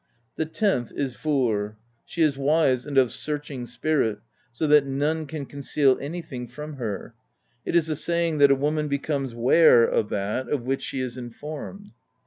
The tenth is Vor: she is wise and of searching spirit, so that none can conceal anything from her; it is a saying, that a woman becomes 'ware' of that of which she is informed.